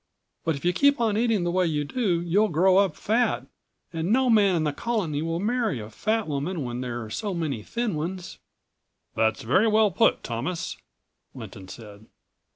"But if you keep on eating the way you do you'll grow up fat, and no man in the Colony will marry a fat woman when there are so many thin ones." "That's very well put, Thomas," Lynton said.